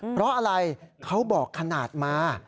เพราะอะไรเขาบอกขนาดมา